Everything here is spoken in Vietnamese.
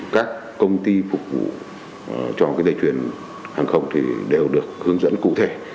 các công ty phục vụ cho cái đề chuyển hàng không thì đều được hướng dẫn cụ thể